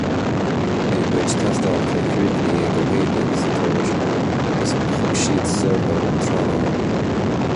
Bhí a gcuid tástálacha críochnaithe ag Ó hÉalaithe agus Ó Tuairisg, agus thug siad soir leo an trealamh ann.